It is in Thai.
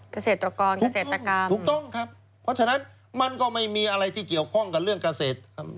เกษตรกรเกษตรกรรมถูกต้องครับเพราะฉะนั้นมันก็ไม่มีอะไรที่เกี่ยวข้องกับเรื่องเกษตรครับ